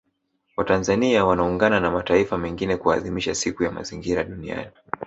Watanzania wanaungana na mataifa mengine kuadhimisha Siku ya Mazingira Duniani